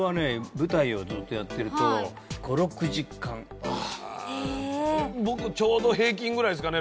舞台をずっとやってると５６時間僕ちょうど平均ぐらいですかね